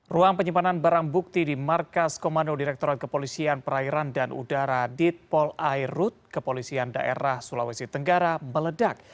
ruang penyimpanan barang bukti di markas komando direkturat kepolisian perairan dan udara ditpol airut kepolisian daerah sulawesi tenggara meledak